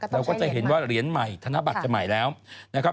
เราก็จะเห็นว่าเหรียญใหม่ธนบัตรจะใหม่แล้วนะครับ